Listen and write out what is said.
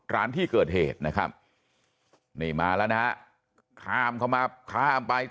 ร้านที่เกิดเหตุนะครับนี่มาแล้วนะฮะข้ามเข้ามาข้ามไป